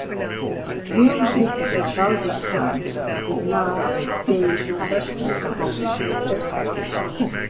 Gilgit-Baltistan is now a "de facto" province.